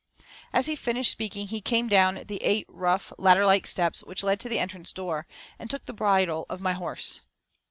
As he finished speaking he came down the eight rough ladder like steps which led to the entrance door, and took the bridle of my horse.